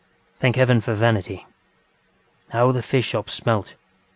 Thank heaven for vanity! How the fish shops smelt!